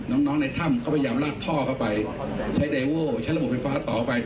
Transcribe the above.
น้องน้องในถ้ำเขาพยายามลากท่อเข้าไปใช้ไดโว้ใช้ระบบไฟฟ้าต่อไป